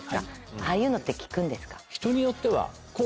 ああいうのって効くんですか？